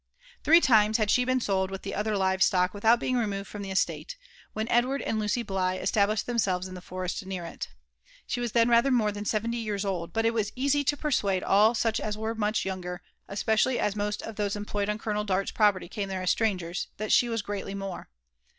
Three times had she been sold with the other live stock without being removed from the estate, when Edward and Lucy Biigh' esta blished themselves in the forest near it. She was then rather more than seventy years old ; but it was easy to persuade all such as were much younger, especially as most of those employed on Colonel Dart's property came there as strangers, that she was greatly more.